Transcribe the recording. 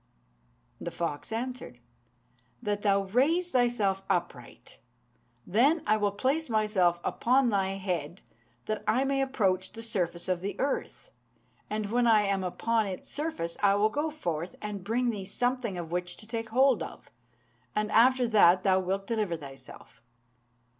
The fox answered, "That thou raise thyself upright; then I will place myself upon thy head, that I may approach the surface of the earth, and when I am upon its surface I will go forth and bring thee something of which to take hold, and after that thou wilt deliver thyself."